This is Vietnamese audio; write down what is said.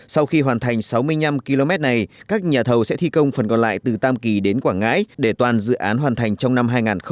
sau khi hoàn thành sáu mươi năm km này các nhà thầu sẽ thi công phần còn lại từ tam kỳ đến quảng ngãi để toàn dự án hoàn thành trong năm hai nghìn hai mươi